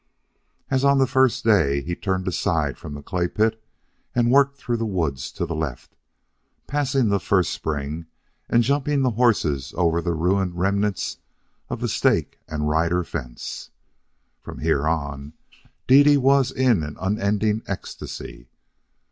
As on the first day, he turned aside from the clay pit and worked through the woods to the left, passing the first spring and jumping the horses over the ruined remnants of the stake and rider fence. From here on, Dede was in an unending ecstasy.